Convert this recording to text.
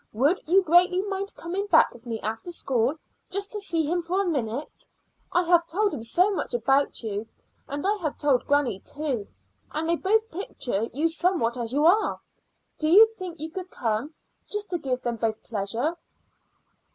Would you greatly mind coming back with me after school, just to see him for a minute? I have told him so much about you, and I have told granny too, and they both picture you somewhat as you are. Do you think you could come, just to give them both pleasure?"